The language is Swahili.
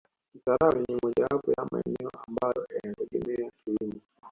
Kisarawe ni mojawapo ya maeneo ambayo yanategemea kilimo